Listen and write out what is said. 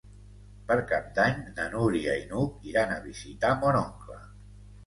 Per Cap d'Any na Núria i n'Hug iran a visitar mon oncle.